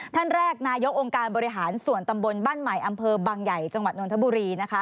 ท่านแรกนายกองค์การบริหารส่วนตำบลบ้านใหม่อำเภอบางใหญ่จังหวัดนทบุรีนะคะ